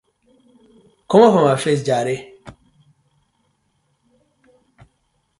Komot for mi face jare.